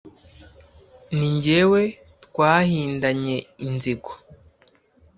ni jyewe twahindanye inzigo.